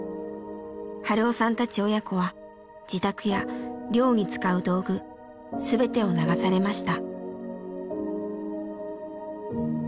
春雄さんたち親子は自宅や漁に使う道具全てを流されました。